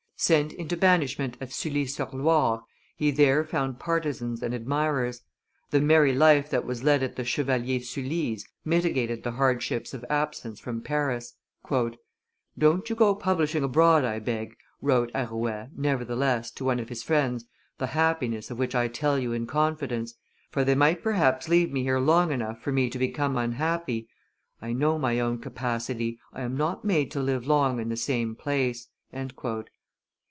Sent into banishment at Sully sur Loire, he there found partisans and admirers; the merry life that was led at the Chevalier Sully's mitigated the hardships of absence from Paris. "Don't you go publishing abroad, I beg," wrote Arouet, nevertheless, to one of his friends, "the happiness of which I tell you in confidence: for they might perhaps leave me here long enough for me to become unhappy; I know my own capacity; I am not made to live long in the same place."